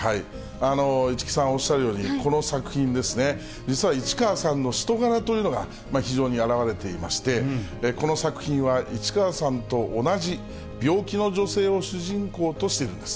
市來さんおっしゃるように、この作品ですね、実は市川さんの人柄というのが、非常に表れていまして、この作品は市川さんと同じ、病気の女性を主人公としているんです。